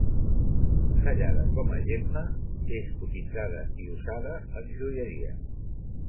Tallada com a gemma és cotitzada i usada en joieria.